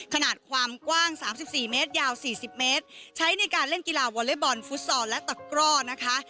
ขนาดความกว้าง๓๔เมตรยาว๔๐เมตรใช้ในการเล่นกีฬาวอเล็กบอลฟุตซอลและตะกร่อนะคะ